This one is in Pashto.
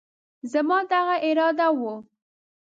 زما دغه اراده وه،